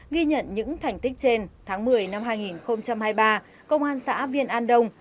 ghi nhận những thành tích trên tháng một mươi năm hai nghìn hai mươi ba công an xã viên an đông